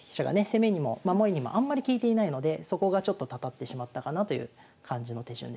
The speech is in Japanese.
攻めにも守りにもあんまり利いていないのでそこがちょっとたたってしまったかなという感じの手順でした。